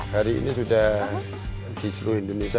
hari ini sudah di seluruh indonesia